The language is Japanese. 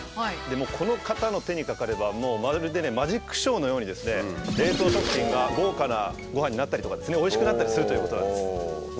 でもうこの方の手にかかればもうまるでねマジックショーのようにですね冷凍食品が豪華なごはんになったりとかですねおいしくなったりするということなんです。